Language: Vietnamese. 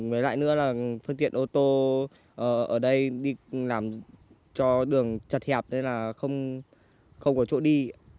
với lại nữa là phương tiện ô tô ở đây đi làm cho đường chật hẹp nên là không có chỗ đi